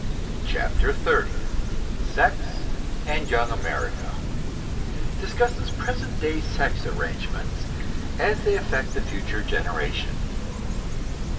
CHAPTER XXX SEX AND YOUNG AMERICA (Discusses present day sex arrangements, as they affect the future generation.)